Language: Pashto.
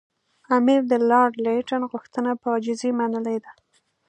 امیر د لارډ لیټن غوښتنه په عاجزۍ منلې ده.